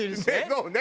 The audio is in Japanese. そうね。